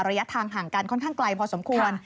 ระยะทางห่างกันค่อนข้างไกลพอสมควร